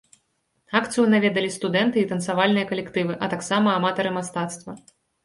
Акцыю наведалі студэнты і танцавальныя калектывы, а таксама аматары мастацтва.